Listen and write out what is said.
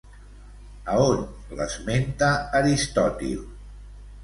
A on l'esmenta Aristòtil?